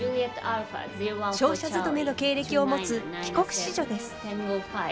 商社勤めの経歴を持つ帰国子女です。